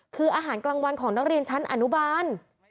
คืออาหารกลางวันของนักเรียนชั้นอนุบาล